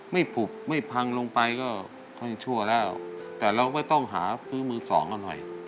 ผุบไม่พังลงไปก็ค่อนข้างชั่วแล้วแต่เราก็ต้องหาซื้อมือสองกันหน่อย